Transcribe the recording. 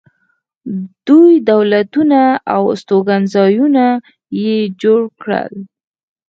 دوی دولتونه او استوګنځایونه یې جوړ کړل